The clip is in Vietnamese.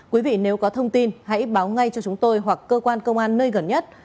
quý vị nếu có thông tin hãy báo ngay cho chúng tôi hoặc cơ quan công an nơi gần nhất